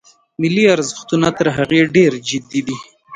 ملي ارزښتونه تر هغه ډېر جدي دي.